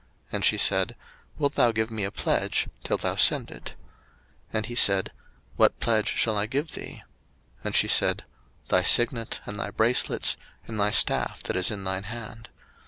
And she said, Wilt thou give me a pledge, till thou send it? 01:038:018 And he said, What pledge shall I give thee? And she said, Thy signet, and thy bracelets, and thy staff that is in thine hand.